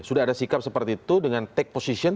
sudah ada sikap seperti itu dengan take position